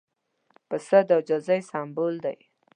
پسه د عاجزۍ سمبول دی.